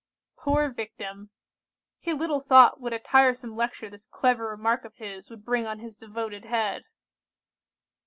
"Poor Victim! He little thought what a tiresome lecture this clever remark of his would bring on his devoted head!